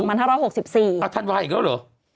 อ่ะท่านว่าอีกแล้วหรือ